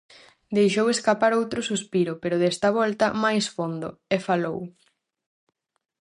Deixou escapar outro suspiro, pero desta volta máis fondo, e falou: